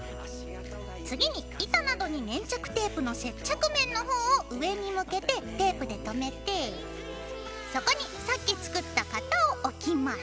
次に板などに粘着テープの接着面のほうを上に向けてテープで留めてそこにさっき作った型を置きます。